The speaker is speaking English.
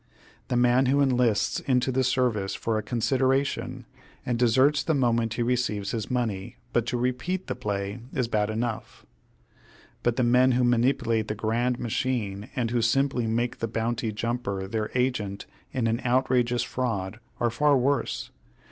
The man who enlists into the service for a consideration, and deserts the moment he receives his money but to repeat the play, is bad enough; but the men who manipulate the grand machine and who simply make the bounty jumper their agent in an outrageous fraud are far worse.